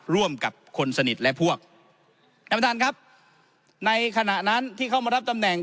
ร่วมกับคนสนิทและพวกท่านประธานครับในขณะนั้นที่เข้ามารับตำแหน่ง